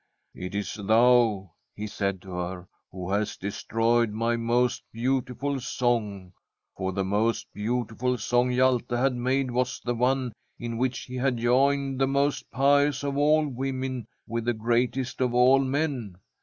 ' It is thou/ he said to her, * who hast destroyed my most beautiful song.' For the most beauti ful song Hjalte had made was the one in which he had joined the most pious of all women with the greatest of all men.